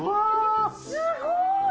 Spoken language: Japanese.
すごーい。